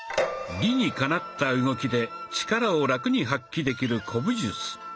理にかなった動きで力をラクに発揮できる古武術。